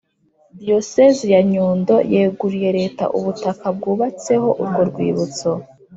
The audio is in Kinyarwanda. Diyosezi ya Nyundo yeguriye Leta ubutaka bwubatseho urwo rwibutso